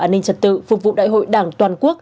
an ninh trật tự phục vụ đại hội đảng toàn quốc